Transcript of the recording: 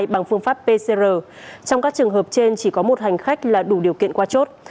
bằng phương pháp pcr trong các trường hợp trên chỉ có một hành khách là đủ điều kiện qua chốt